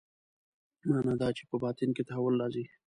معنا دا چې په باطن کې تحول راځي.